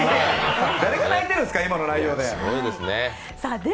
誰が泣いてるんですか、今の内容で。